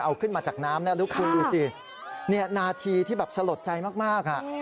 เอาขึ้นมาจากน้ำแล้วลุกคืนนี่หน้าที่ที่สะหรับใจมากค่ะ